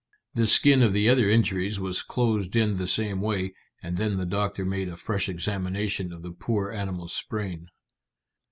The skin of the other injuries was closed in the same way, and then the doctor made a fresh examination of the poor animal's sprain.